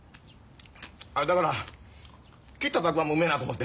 あだから切ったたくあんもうめえなあと思って。